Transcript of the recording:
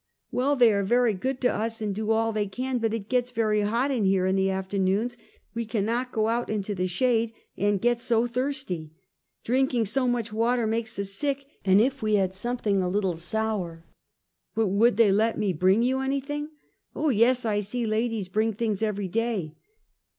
" Well, they are very good to us, and do all they can; but it gets very hot in here in the afternoons, we cannot go out into the shad€, and get so thirsty. Drinking so much water makes us sick, and if we had something a little sour! "" But, would they let me bring you anything?" " O yes! I see ladies bring things every day."